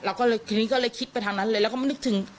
ทีนี้ก็เลยคิดไปทางนั้นเลยแล้วก็ไม่นึกถึง